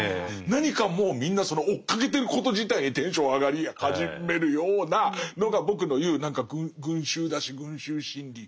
何かもうみんなその追っかけてること自体にテンション上がり始めるようなのが僕の言う何か群衆だし群衆心理。